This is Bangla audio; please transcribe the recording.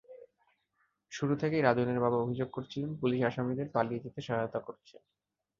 শুরু থেকেই রাজনের বাবা অভিযোগ করছিলেন, পুলিশ আসামিদের পালিয়ে যেতে সহায়তা করছে।